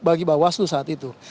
bagi bawah selu saat itu